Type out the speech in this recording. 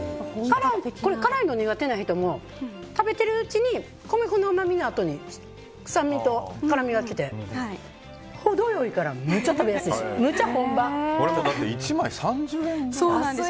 辛いの苦手な人も食べてるうちに米粉のうまみのあとに酸味と辛みが来て程良いからめちゃ食べやすいです。